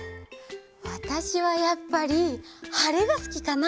わたしはやっぱりはれがすきかな！